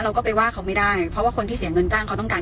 เราก็ไปว่าเขาไม่ได้เพราะว่าคนที่เสียเงินจ้างเขาต้องการ